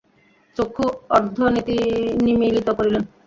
চক্ষু অর্ধনিমীলিত করিলেন।